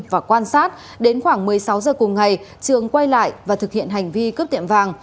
và quan sát đến khoảng một mươi sáu giờ cùng ngày trường quay lại và thực hiện hành vi cướp tiệm vàng